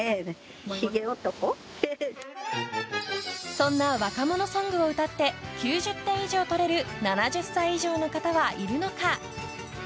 そんな若者ソングを歌って９０点以上取れる７０歳以上の方はいるのか？